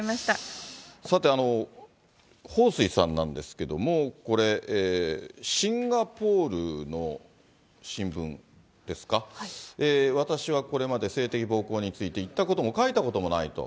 さて、彭帥さんなんですけれども、これ、シンガポールの新聞ですか、私はこれまで性的暴行について言ったことも書いたこともないと。